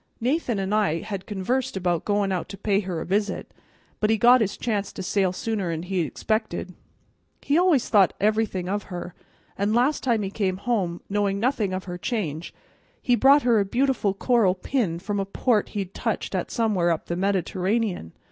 Nathan an' I had conversed about goin' out to pay her a visit, but he got his chance to sail sooner'n he expected. He always thought everything of her, and last time he come home, knowing nothing of her change, he brought her a beautiful coral pin from a port he'd touched at somewheres up the Mediterranean.